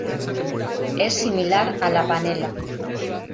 Es similar a la panela.